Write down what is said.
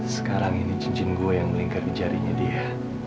sekarang ini cincin gue yang melingkari jarinya dia